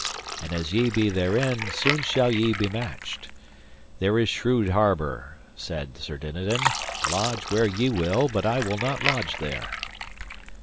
And as ye be therein soon shall ye be matched. There is shrewd harbour, said Sir Dinadan; lodge where ye will, for I will not lodge there.